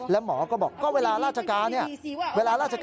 แล้วหมอก็บอกเวลาราชการเข้าใจไหม